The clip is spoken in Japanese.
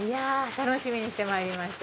楽しみにしてまいりました。